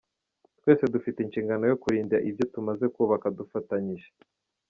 Twese dufite inshingano yo kurinda ibyo tumaze kubaka dufatanyije.”